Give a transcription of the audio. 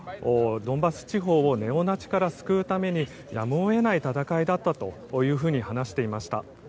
ドンバス地方をネオナチから救うためにやむを得ない戦いだったというふうに話していました。